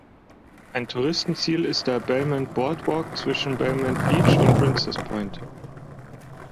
Ein Touristenziel ist der "Belmont Board Walk" zwischen "Belmont Beach" und "Princess Point".